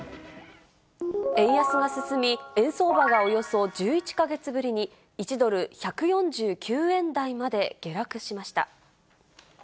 円安が進み、円相場がおよそ１１か月ぶりに１ドル１４９円台まで下落しました。